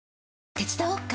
手伝おっか？